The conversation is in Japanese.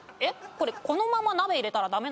これこのまま鍋入れたら駄目なの？